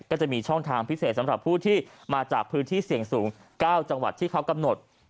ก็จะมีช่องทางพิเศษสำหรับผู้ที่มาจากพื้นที่เสี่ยงสูง๙จังหวัดที่เขากำหนด